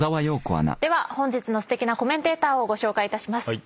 では本日のすてきなコメンテーターをご紹介いたします。